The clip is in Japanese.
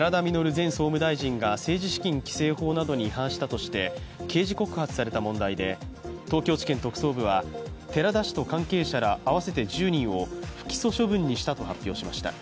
前総務大臣が政治資金規正法などに違反したとして刑事告発された問題で、東京地検特捜部は寺田氏と関係者ら合わせて１０人を不起訴処分にしたと発表しました。